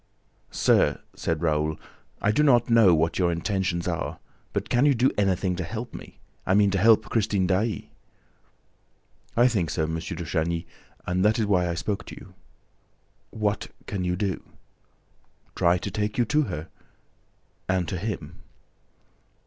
"Sir," said Raoul, "I do not know what your intentions are, but can you do anything to help me? I mean, to help Christine Daae?" "I think so, M. de Chagny, and that is why I spoke to you." "What can you do?" "Try to take you to her ... and to him."